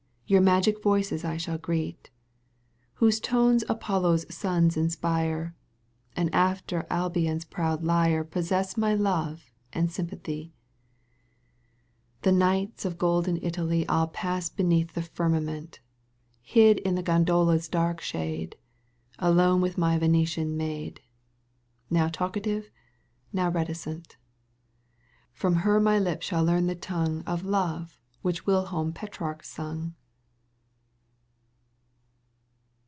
Your magic voices I shall greet, , Whose tones Apollo's sons inspire. And after Albion's proud lyre ^ Possess my love and sympathy. Digitized by CjOOQ 1С ^ i CANTO L EUGENE ONfeHJINE. 27 The nights of golden Italy I'll pass beneath the firmament, Hid in the gondola's dark shade. Alone with my Venetian maid, Now talkative, now reticent ; From her my lips shall learn the tongue Of love which whQom Petrarch sung.